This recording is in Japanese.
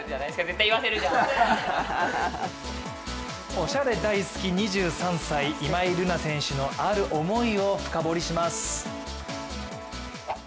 おしゃれ大好き２３歳、今井月選手のある思いを深掘りします。